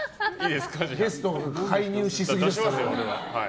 ゲストが介入しすぎですよ。